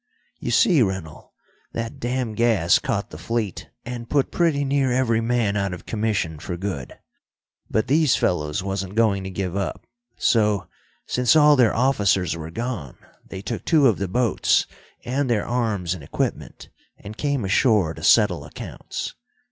"You see, Rennell, that damn gas caught the fleet and put pretty near every man out of commission for good. But these fellows wasn't going to give up. So, since all their officers were gone, they took two of the boats and their arms and equipment, and came ashore to settle accounts.